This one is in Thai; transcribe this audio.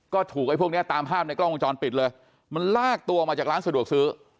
ก็ถูกไอ้พวกเนี้ยตามภาพในกล้องวงจรปิดเลยมันลากตัวมาจากร้านสะดวกซื้อ